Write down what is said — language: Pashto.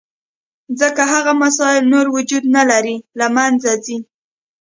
ځکه هغه مسایل نور وجود نه لري، له منځه ځي.